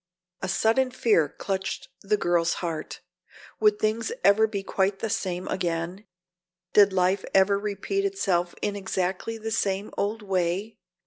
A sudden fear clutched the girl's heart would things ever be quite the same again; did life ever repeat itself in exactly the same old way?